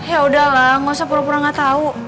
yaudah lah gak usah pura pura gak tau